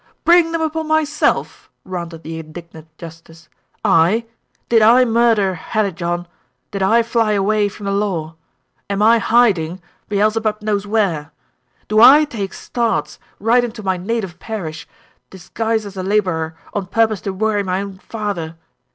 "Bring them upon myself!" ranted the indignant justice. "I? Did I murder Hallijohn? Did I fly away from the law? Am I hiding, Beelzebub knows where? Do I take starts, right into my native parish, disguised as a laborer, on purpose to worry my own father?